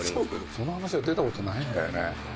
その話は出たことないんだよ